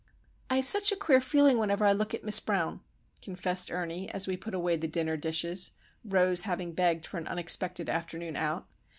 "I have such a queer feeling whenever I look at Miss Brown," confessed Ernie, as we put away the dinner dishes,—Rose having begged for an unexpected afternoon out.